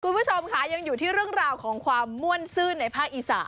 คุณผู้ชมค่ะยังอยู่ที่เรื่องราวของความม่วนซื่นในภาคอีสาน